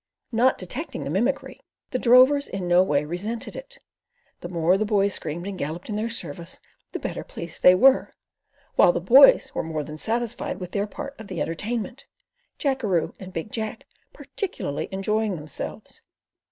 Not detecting the mimicry, the drovers in no way resented it; the more the boys screamed and galloped in their service the better pleased they were; while the "boys" were more than satisfied with their part of the entertainment, Jackeroo and Big Jack particularly enjoying themselves.